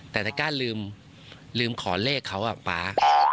แต่ถ้ากล้าลืมลืมขอเลขเขาอ่ะป๊า